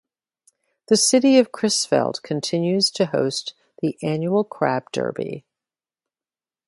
The city of Crisfield continues to host the annual Crab Derby.